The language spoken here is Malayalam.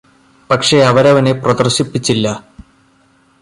പക്ഷേ അവരവനെ പ്രദര്ശിപ്പിച്ചില്ല